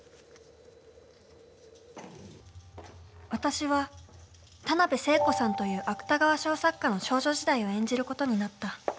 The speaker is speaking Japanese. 私は田辺聖子さんという芥川賞作家の少女時代を演じることになった。